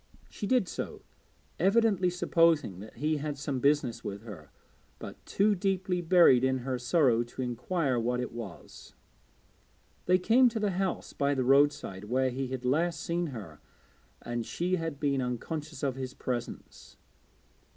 She did so, evidently supposing that he had some business with her, but too deeply buried in her sorrow to inquire what it was. They came to the house by the roadside where he had last seen her and she had been unconscious of his presence.